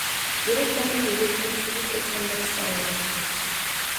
يىراقلاردىن يولۇچىنىڭ سوزۇپ ئېيتقان ناخشىسى ئاڭلىناتتى.